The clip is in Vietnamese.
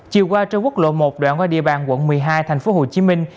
chiều qua trên quốc lộ một đoạn qua địa bàn quận một mươi hai thành phố hồ chí minh